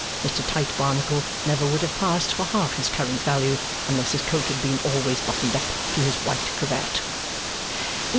Mr Tite Barnacle never would have passed for half his current value, unless his coat had been always buttoned up to his white cravat.